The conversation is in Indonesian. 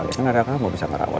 kan ada kamu bisa ngerawat